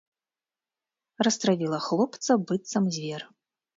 Растравіла хлопца, быццам звер.